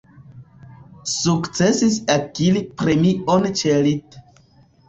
Sukcesis akiri premion ĉe lit.